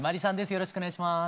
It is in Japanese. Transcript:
よろしくお願いします。